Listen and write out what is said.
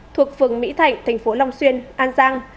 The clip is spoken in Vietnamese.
thuộc phường mỹ thạnh thành phố long xuyên an giang